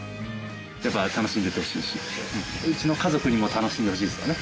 やっぱ楽しんでいってほしいしうちの家族にも楽しんでほしいですよね。